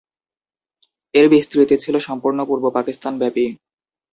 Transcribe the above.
এর বিস্তৃতি ছিল সম্পূর্ণ পূর্ব পাকিস্তান ব্যাপী।